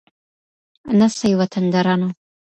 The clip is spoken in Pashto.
نه سئ وطندارانو